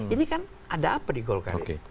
ini kan ada apa di golkar